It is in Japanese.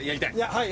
はい。